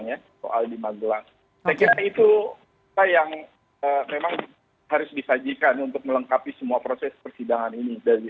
saya kira itu yang memang harus disajikan untuk melengkapi semua proses persidangan ini